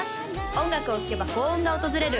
音楽を聴けば幸運が訪れる